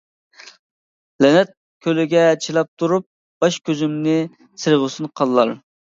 لەنەت كۆلىگە چىلاپ تۇرۇپ، باش كۆزۈمدىن سىرغىسۇن قانلا.